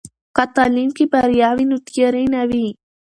که تعلیم کې بریا وي، نو تیارې نه وي.